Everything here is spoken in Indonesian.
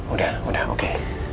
udah udah oke